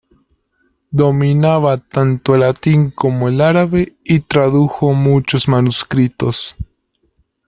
Dominaba tanto el latín como el árabe y tradujo muchos manuscritos.